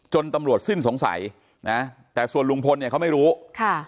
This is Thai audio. ตำรวจสิ้นสงสัยนะแต่ส่วนลุงพลเนี่ยเขาไม่รู้ค่ะ